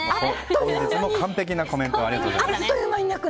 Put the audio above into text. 完璧なコメントありがとうございます。